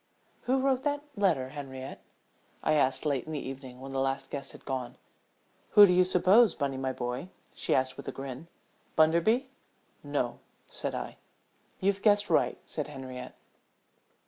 "Who wrote that letter, Henriette?" I asked late in the evening when the last guest had gone. "Who do you suppose, Bunny, my boy?" she asked with a grin. "Bunderby?" "No," said I. "You've guessed right," said Henriette.